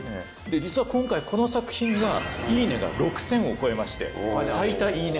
実は今回この作品が「いいね」が６０００を超えまして最多「いいね」